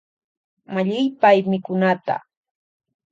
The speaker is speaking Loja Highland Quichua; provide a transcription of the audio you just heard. Mallypay mikunata.